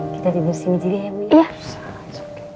kita tidur sini sini aja ya nek